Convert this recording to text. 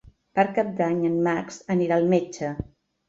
Per Cap d'Any en Max anirà al metge.